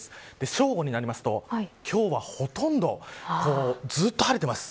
正午になりますと今日はほとんどずっと晴れています。